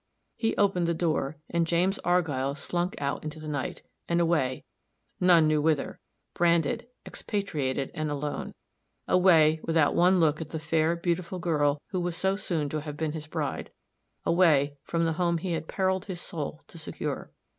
He opened the door, and James Argyll slunk out into the night, and away, none knew whither, branded, expatriated, and alone away, without one look at the fair, beautiful girl who was so soon to have been his bride away, from the home he had periled his soul to secure.